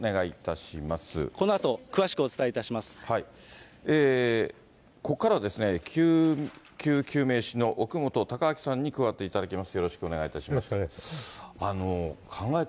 このあと、ここからはですね、救急救命士の奥元隆昭さんに加わっていただきます。